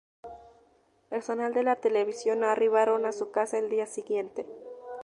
Personal de la televisión arribaron a su casa al día siguiente.